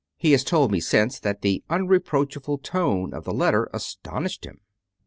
He has told me since that the unreproachful tone of the letter astonished him.